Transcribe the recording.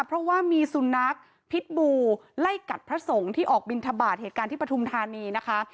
เพราะว่ามีสุนัขพิษบูไล่กัดพระสงฆ์ที่ออกบินทบาทเหตุการณ์ที่ปฐุมธานีนะคะ